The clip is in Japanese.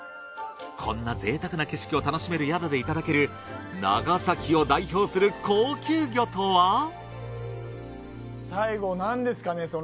こんなぜいたくな景色を楽しめる宿でいただける長崎を代表する高級魚とは最後なんですかね？